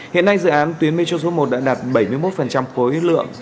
hiện nay dự án tuyến metro số một đã đạt bảy mươi một khối lượng